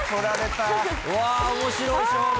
うわ面白い勝負。